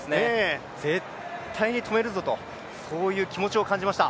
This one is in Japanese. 絶対に止めるぞという気持ちを感じました。